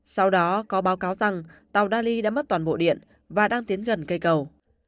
sau đó có báo cáo rằng tàu dali đã mất toàn bộ điện và đang tiến gần cây cầu